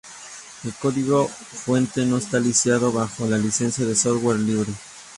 El código fuente no está licenciado bajo una licencia de software libre.